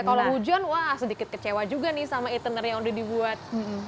kalau hujan wah sedikit kecewa juga nih sama etiner yang udah dibuat